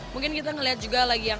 mungkin kita melihat juga lagi yang